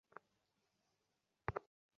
হ্যাঁ, মরে গেছি আমি।